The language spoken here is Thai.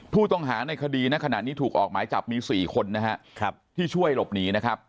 ผู้ต้องหาในคดีณขณะนี้ถูกออกหมายจับมี๔คนนะฮะที่ช่วยหลบหนีนะครับ